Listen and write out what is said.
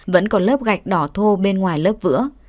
vẫn còn lớp gạch đỏ thô bên ngoài lớp vữa